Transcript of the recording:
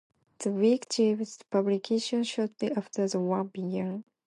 "The Week" ceased publication shortly after the war began.